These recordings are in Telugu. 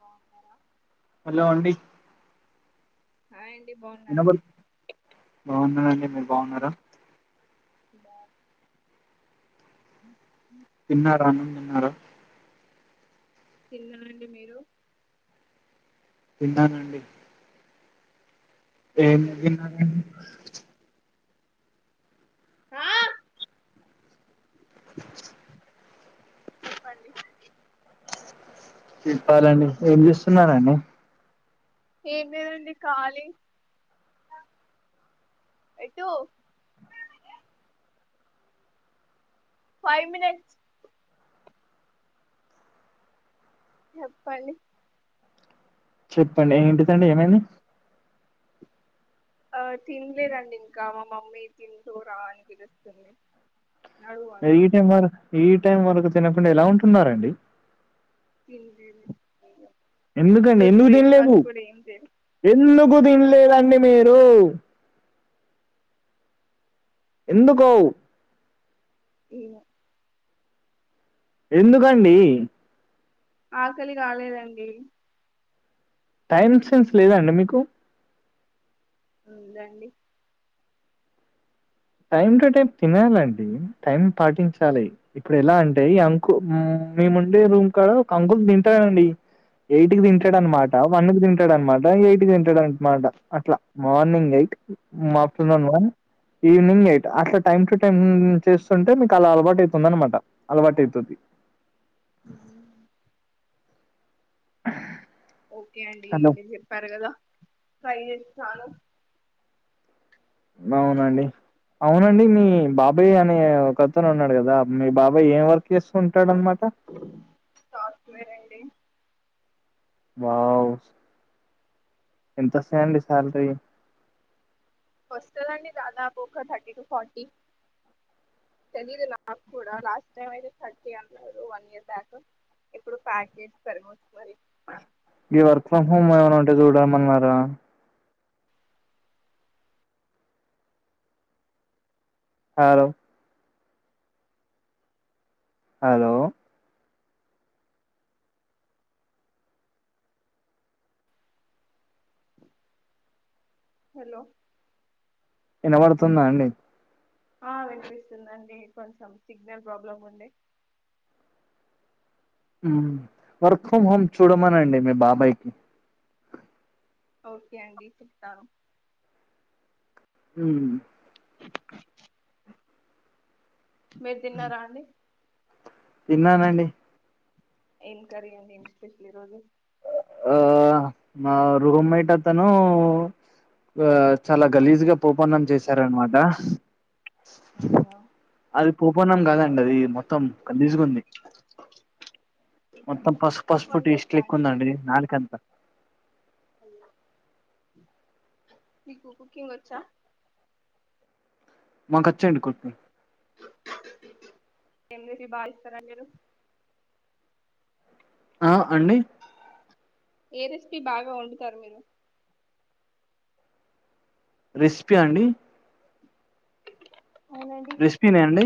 బాగున్నారా హలో అండి హాయ్ అండి బాగున్నారా వినబడు బాగున్నానండి మీరు బాగున్నారు ఇలా తిన్నారా అన్నం తిన్నారా తిన్నా అండి మీరు తిన్నానండి ఏం తిన్నారు ఆ చెప్పండి చెప్పాలండి ఏం చేస్తున్నారండి ఏం లేదండి ఖాళీ ఫైవ్ మినిట్స్ చెప్పండి చెప్పండి ఏంటిదండి ఏమైంది ఆ తినలేదండి ఇంకా మా మమ్మీ తిందువు రా అని పిలుస్తుంది నడువ ఎమ్మరి ఈ టైం వరకు తినకుండా ఎలా ఉంటున్నారండి తినలేదు ఇంగ ఈ ఎందుకండి రోజు ఎందుకు తినలేదు బ్రేక్ఫాస్ట్ కూడా ఏం చేయ ఎందుకు తినలేదండి మీరు ఎందుకు ఏమో ఎందుకండి ఆకలి కాలేదండి టైమ్ సెన్స్ లేదా అండి మీకు ఉందండి టైం టు టైం తినాలండి టైం పాటించాలి ఇప్పుడు ఎలా అంటే ఈ అంకు మేముండే రూమ్ కాడ ఒక అంకుల్ తింటాడండి ఎయిట్కి తింటాడు ఓకే అన్నమాట వన్ కి తింటాడన్నమాట ఎయిట్ కి తింటాడన్నమాట అట్లా morning eight afternoon one evening eight అట్ల టైం టు టైం చేస్తుంటే మీకు అలా అలవాటు అయితుంది అనమాట అలవాటు అయితది హ్మ్ ఓకే అండి హలో! మీరు చెప్పారు కదా ట్రై చేస్తాను అవునండి అవునండి మీ బాబాయ్ అనే ఒక్కతను ఉన్నాడు కదా మీ బాబ్ అబ్బ ఏం వర్క్ చేస్త ఉంటాడు అన్మాట సాఫ్ట్వేర్ అండి వావ్ ఎంతోస్తాయండి సాలరీ వస్తాదండీ దాదాపొక్క థర్టీ టు ఫార్టీ తెలీదు నాకు కూడా లాస్ట్ టైమ్ అయితే థర్టీ అన్నారు వన్ ఇయర్ బ్యాక్ ఇప్పుడు ప్యాకేజ్ పెరగొచ్చు మరి ఈ వర్క్ ఫ్రమ్ హోమ్ ఏమైనా ఉంటే చూడామన్నారా హలో హలో హలో వినబడుతున్ద అండి ఆ వినిపిస్తుందండి కొంచెం సిగ్నల్ ప్రాబ్లమ్ ఉండే హ్మ్ వర్క్ ఫ్రమ్ హోమ్ చూడమనండి మీ బాబాయ్ కి ఓకే అండి చెప్తాను ఉమ్ మీరు తిన్నారా అండి తిన్నానండి ఎం కరీ అండి ఏంటి స్పెషల్ ఈరోజు ఆ నా రూమ్మేట్ అతను ఆ చాలా గలీజుగా పోపన్నం చేసారనమాట అవునా అది పోపన్నం కాదండి అది మొత్తం కలిజ్కుంది ఓకే మొత్తం పసుపు పసుప్ టేస్ట్ వచ్చా లేక్ అండి ఉందండి నాలికంత హలో మీకు కుకింగ్ వచ్చా మాకు అచ్చనండి కుకింగ్ యన్వసి బాగా ఇస్తారా మీరు ఆ అండి ఏ రెసిపి బాగా వండుతారు మీరు రెసిపీ అండి అవునండి రెస్పిన అండి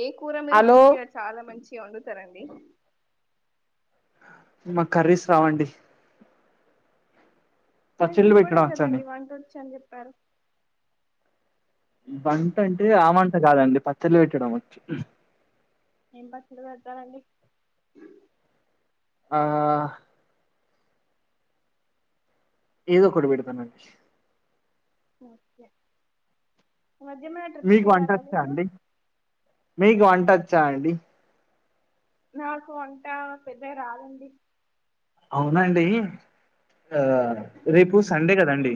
ఏ కూర మీరు హలో మంచిగా చాలా మంచిగా వండుతారండి మాకు కర్రీస్ రావండి నాకు పచ్చళ్ళు ఇప్పుడే పెట్టడం వచ్చండి కదండి వంట వచ్చు అని చెప్పారు వంట అంటే ఆ మంట కాదండి పచ్చళ్లు పెట్టడం వచ్చు ఏం పచ్చడి పెడుతారండి ఆ ఏదో ఒకటి పెడతానండి ఓకే మధ్యమ మీకు వంట వచ్చా అండి మీకు వంట వచ్చా అండి నాకు వంట పెద్దగా రాదండి అవునా అండి ఆ రేపు సండే కదండి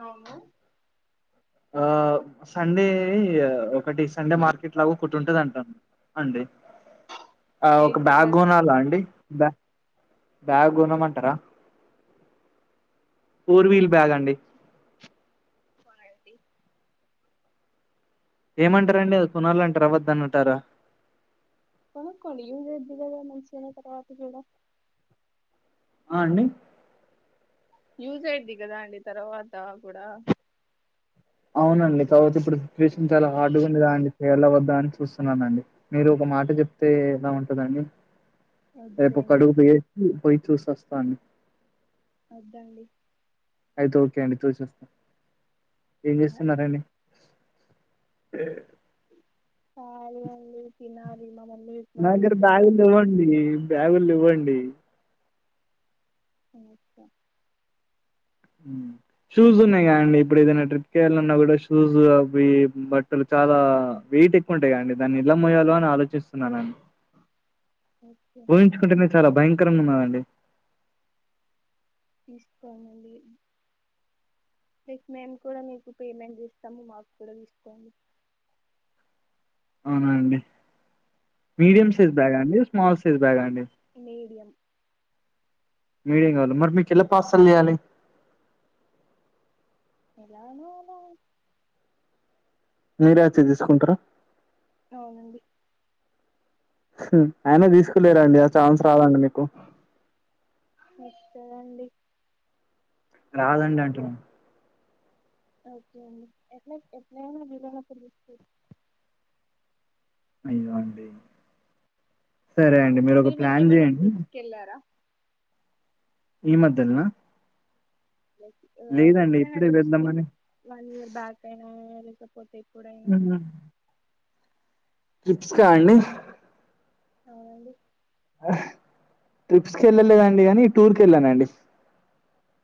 అవును ఆ సండే ఒకటి సండే మార్కెట్ లాగా ఒకటి ఉంటది అంట అండి ఒక ఏంటండి బ్యాగ్ అది కొనాలా అండి బ్యాగ్ బ్యాగ్ కొనమమంటారా ఫోర్ వీల్ బ్యాగ్ అండి కొనండి ఏమంటారండి అది కొనాలంటారా వద్దని అంటార కొనుక్కోండి ఎవరు వద్దన్నారు మంచిగా తర్వాత కూడా ఆ అండి యూజ్ అయిది కదా అండి తర్వాత కూడా అవునండి తర్వాత ఇప్పుడు సిచ్యువేషన్ చాలా హార్డ్గా ఉదా గా అండి చేయలా వద్దా అని చూస్తున్నానండి మీరు ఒక మాట చెప్తే ఎలా ఉంటదండి రేపు ఒక వద్దులేండి అడుగు పోయి పోయి చూసోస్తా అండి ఓకే అండి అయితే ఓకే అండి [unintelligible] ఏం ఆ? చేస్తున్నారండి [unintelligible] ఖాళీగా ఉండి తినాలి మా మమ్మీ ఉప్మా నా దగ్గర చేస్తుంది బ్యాగులు లేవండి బ్యాగులు లేవ్వండి తినొచ్చా షూస్ ఉన్నాయి కా అండి ఇప్పుడు ఏదైనా ట్రిప్ కి వేయాలన్న కూడా షూస్ అవి బట్టలు చాలా వెయిట్ ఎక్కువ ఉంటాయి కాదండి దాన్ని ఎలా మోయాలో అని ఆలోచిస్త అన్నానా ఓకే ఊహించుకుంటేనే చాలా భయంకరంగా ఉన్నాదండి తీస్కో [unintelligible] రేపు మేము కూడా మీకు పేమెంట్ ఇస్తాము మాకు కూడా తీసుకోండి అవునా అండి మీడియం అవునండి సైజ్ బ్యాగ అండి స్మాల్ సైజ్ బ్యాగ్ అండి మీడియం మీడియం కావాల మరి మీకు ఎలా పార్సల్ చేయాలి ఎలానో అలా మీరే వచ్చి తీసుకుంటారా అవునండి ఆయన తీసుకులేరండి ఆ ఛాన్స్ రాదండి మీకు వస్తాదండి రాదండి అంటున్నా ఓకే అండి ఎట్లా ఎట్లయినా వీలు అయినప్పుడు తీసుకుంటా అయ్యో అండి సరే అండి మీరు ఒక ప్లాన్ చేయండి వెళ్లారా ఈ మధ్యల్నా [unintelligible] ఓ ఎప్పుడైనా ఇప్పుడే జిప్స్ కి వెళ్దామని వన్ ఇయర్ బ్యాక్ అయినా లేకపోతే ఎప్పుడైనా జిప్స్ కా అండి అవునండి ట్రిప్స్ కి వెళ్ళలేదండి కానీ టూర్ కి వెళ్ళానండి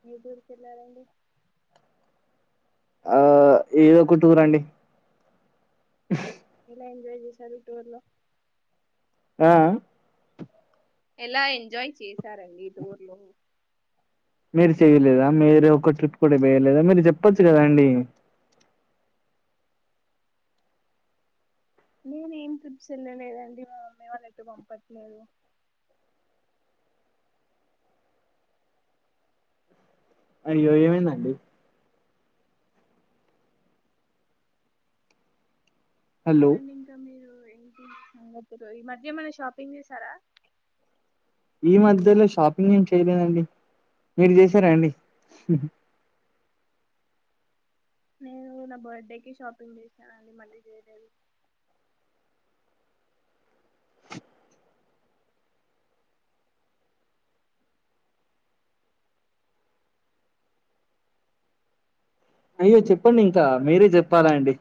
ఏ టూర్ కి వెళ్లారండి ఆ ఏదో కొట్టుకురండి ఎలా ఎంజాయ్ చేశారు టూర్ లో ఆ ఎలా ఎంజాయ్ చేసారండి ఈ టూర్ లో మీరు చెయ్యలేదా మీరు ఒక ట్రిప్ కూడా వేయలేదా మీరు చెప్పొచ్చు కదా అండి నేను ఏం ట్రిప్స్ వెళ్ళలేదండి మా మామ్మీ వాళ్ళు ఎట్తే పంపట్లేదు అయ్యో ఏమైందండి హలో చెప్పండి ఇంకా మీరు ఏంటిరు ఈ మధ్య ఏమైనా షాపింగ్ చేసారా ఈ మధ్యలో షాపింగ్ ఏం చేయలేదండి మీరు చేసారా అండి నేను నా బర్త్డే కి షాపింగ్ చేసాను అండి మళ్ళీ చేయలేదు అయ్యో చెప్పండి ఇంకా మీరే చెప్పాలా అండి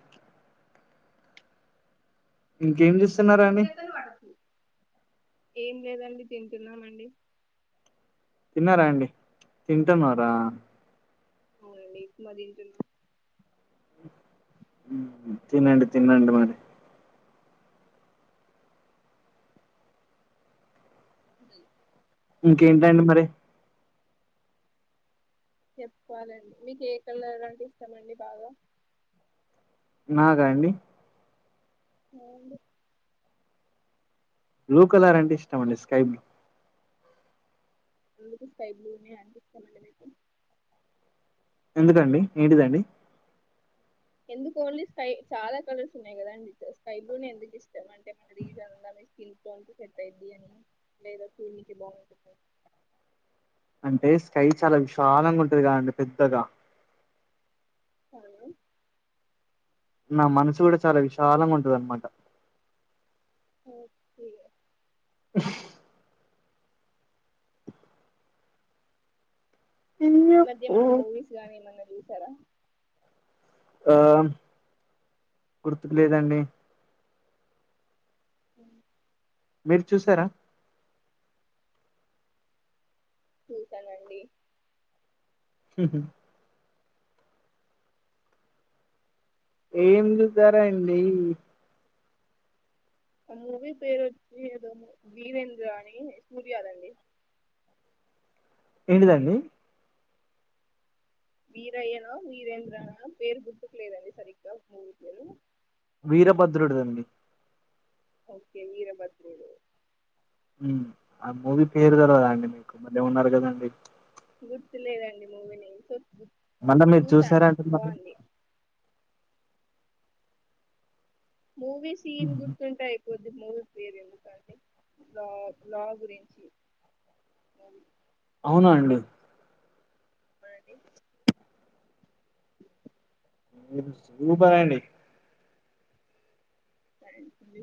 ఇంకేం చేస్ వేరే ఏం లేదండి తింటున్నాం అండి తిన్నారా అండి తింటున్నారా అవునండిప్పు మరి తింటాను తినండి తినండి మరి అయి ఇంకేంటండి మరి చెప్పులండి మీకు ఏ కలర్ అంటే ఇస్టామండి బాగా నాకా అండి అవునండి బ్లూ కలర్ అంటే ఇష్టమండి స్కై బ్లూ బ్లూ కి స్కై బ్లూనే ఎందుకు ఇష్టమని ఎందుకండి ఏంటిదండి ఎందుకు ఓన్లీ స్కై చాలా కలర్స్ ఉన్నాయి కదాండి ఇ స్కై బ్లూ నే ఎందుకు ఇష్టం అంటే ఏమిటి మీకు రీసన్ ఉందా లైక్ స్కిన్ టోన్ కి సెట్ అయిద్ది అని లేకపోతే చూడనీకి బాగుంటుంది అని అంటే స్కై చాలా విశాలంగా ఉంటుంది కదండి పెద్దగా అవును నా మనసు కూడా చాలా విశాలంగా ఉంటంది అనమాట ఓ ఆ ఈ మధ్య ఏమన్నా మూవీస్ గానీ ఏమన్నా చూసారా ఆ గుర్తుకు లేదండి అ మీరు చూసారా చూసానండి హహ ఏం చూసారండి ఆ మూవీ పేరు వచ్చి ఏదో వీరేంద్ర అని సూర్యా దండి ఏంటిదండి వీరయ్యనా వీరేంద్రనా పేరు గుర్తుకు లేదండి సరిగ్గా మూవీ పేరు వీరభద్రుదడి దీ అండి ఓకే విరబాద్రూడు ఆ మూవీ పేరు తెల్వదా అండి మీకు బల్లెవున్నారు కదండి గుర్తు లేదండి మూవీ నేమ్ సో మళ్ళా మీరు చూశాను చూసారంటున్నారు బాగుంది మూవీ సీన్ గుర్తుంటాయితే కొద్ది మూవీ పేరు ఎందుకంటే లా లా గురించి మూవీ అవునా అండి మరండి [inaudible] ఈ రోజు ఫుల్ పనాండి సరే ఉంది